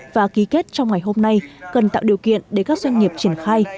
và ký kết trong ngày hôm nay cần tạo điều kiện để các doanh nghiệp triển khai